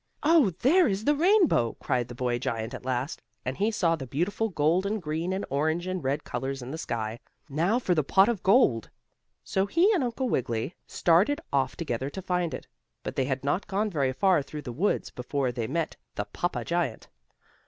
"Oh, there is the rainbow!" cried the boy giant at last, as he saw the beautiful gold and green and orange and red colors in the sky. "Now for the pot of gold." So he and Uncle Wiggily started off together to find it. But they had not gone very far through the woods before they met the papa giant.